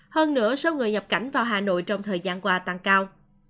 hơn nữa số người nhập cảnh vào hà nội trong thời gian qua tăng cao